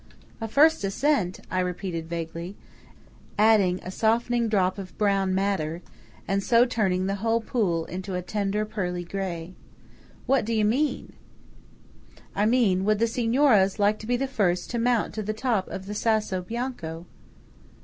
"A first ascent," I repeat vaguely, adding a softening drop of brown madder, and so turning the whole pool into a tender pearly grey. "What do you mean?" "I mean, would the Signoras like to be the first to mount to the top of the Sasso Bianco?"